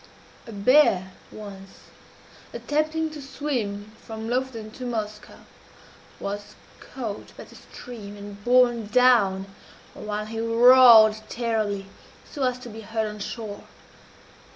A bear once, attempting to swim from Lofoden to Moskoe, was caught by the stream and borne down, while he roared terribly, so as to be heard on shore.